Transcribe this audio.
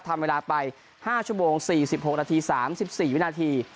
ทำเวลาไปห้าชั่วโมงสี่สิบหกนาทีสามสิบสี่วินาที